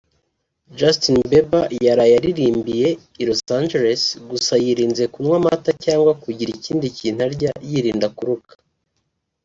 Justin Bieber yaraye aririmbiye i Los Angeless gusa yirinze kunywa amata cyangwa kugira ikindi kintu arya yirinda kuruka